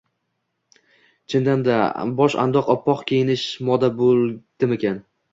«Chindan-da, bosh-adoq oppoq kiyinish... moda bo‘ldimikin-a?»